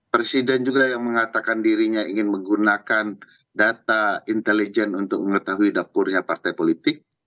presiden juga yang mengatakan dirinya ingin menggunakan data intelijen untuk mengetahui dapurnya partai politik